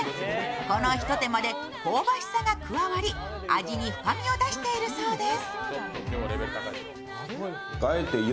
このひと手間で香ばしさが加わり、味に深みを出しているそうです。